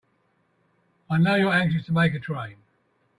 I know you're anxious to make a train.